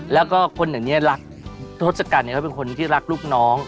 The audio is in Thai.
แล้วก็คนอย่างนี้รักทศกัณฐ์เขาเป็นคนที่รักลูกน้อง